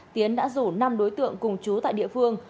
tiến đã rủ năm đối tượng cùng chú tại địa phương